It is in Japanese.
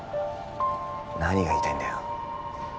何が言いたいんだよ